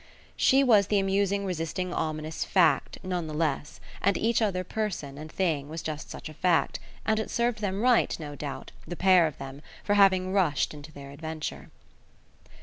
She was the amusing resisting ominous fact, none the less, and each other person and thing was just such a fact; and it served them right, no doubt, the pair of them, for having rushed into their adventure.